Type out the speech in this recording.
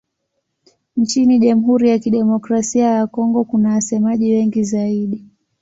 Nchini Jamhuri ya Kidemokrasia ya Kongo kuna wasemaji wengi zaidi.